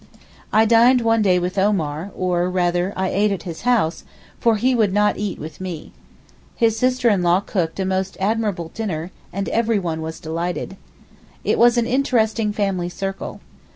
I dined one day with Omar, or rather I ate at his house, for he would not eat with me. His sister in law cooked a most admirable dinner, and everyone was delighted. It was an interesting family circle.